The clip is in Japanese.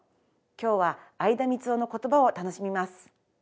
今日は相田みつをの言葉を楽しみます。